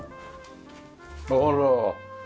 あら。